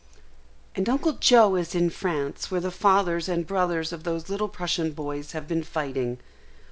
"AND Uncle Joe is in France, where the fathers and brothers of those little Prussian boys have been fighting.